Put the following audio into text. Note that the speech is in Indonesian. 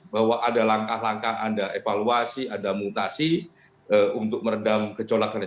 bahwa ada langkah langkah ada evaluasi ada mutasi untuk meredam kecolakan ini